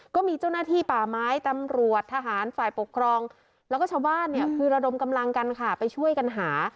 ก็มีเจ้าหน้าที่ป่าไม้ตำรวจทหารฝ่ายปกครองแล้วก็ชาวบ้านเนี่ยคือระดมกำลังกันค่ะไปช่วยกันหา